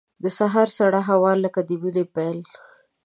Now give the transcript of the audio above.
د سهار سړه هوا لکه د مینې پیل.